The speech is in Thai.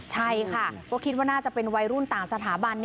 ใช่ค่ะก็คิดว่าน่าจะเป็นวัยรุ่นต่างสถาบัน